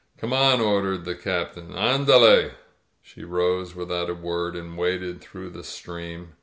"Come on," ordered the Captain. ^'AndaleP* She rose without a word and waded through the stream.